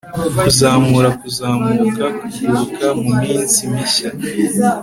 kuzamura, kuzamuka, kuguruka muminsi mishya